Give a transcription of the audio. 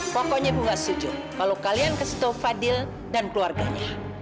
pokoknya bu nggak setuju kalau kalian kasih tahu fadil dan keluarganya